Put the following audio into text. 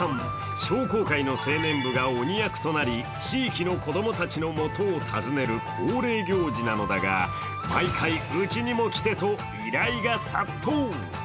商工会の青年が鬼役となり、地域の子供たちのもとを訪ねる恒例行事なのだが、毎回、うちにも来てと依頼が殺到。